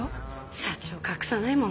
社長隠さないもんね。